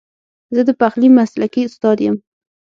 زه د پخلي مسلکي استاد یم